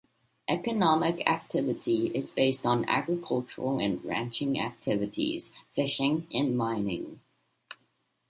Economic activity is based on agricultural and ranching activities, fishing, and mining.